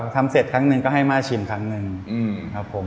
ทำเสร็จครั้งหนึ่งก็ให้ม่าชิมครั้งหนึ่งครับผม